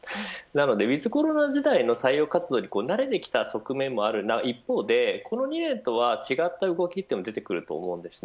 なのでウィズコロナ時代の採用活動に慣れてきた側面もある一方でここ２年とは違った動きも出てくると思います。